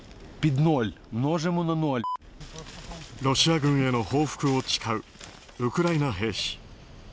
ロシア軍への報復を誓うウクライナ兵士。